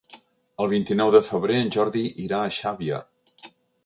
El vint-i-nou de febrer en Jordi irà a Xàbia.